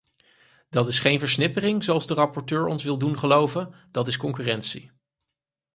Dat is geen versnippering, zoals de rapporteur ons wil doen geloven; dat is concurrentie.